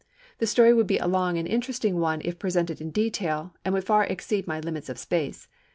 The story would be a long and interesting one if presented in detail, and would far exceed my limits of space.